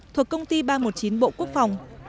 thuộc công ty ba trăm một mươi chín bộ quốc phòng